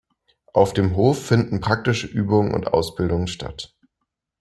Auf dem "Hof" finden praktische Übungen und Ausbildungen statt.